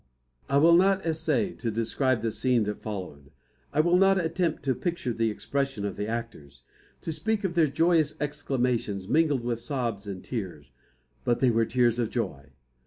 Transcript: I will not essay to describe the scene that followed. I will not attempt to picture the expression of the actors; to speak of their joyous exclamations, mingled with sobs and tears; but they were tears of joy.